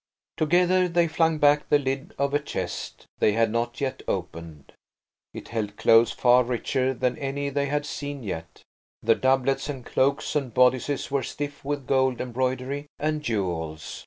Together they flung back the lid of a chest they had not yet opened. It held clothes far richer than any they had seen yet. The doublets and cloaks and bodices were stiff with gold embroidery and jewels.